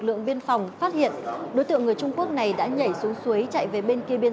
lượng biên phòng phát hiện đối tượng người trung quốc này đã nhảy xuống suối chạy về bên kia biên